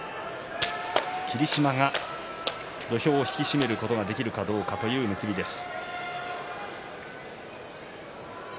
霧島は土俵を引き締めることができるかという結びです。